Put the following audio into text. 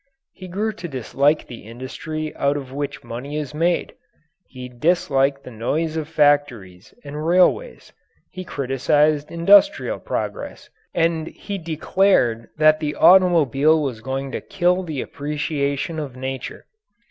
He grew to dislike the industry out of which money is made. He disliked the noise of factories and railways. He criticized industrial progress, and he declared that the automobile was going to kill the appreciation of nature.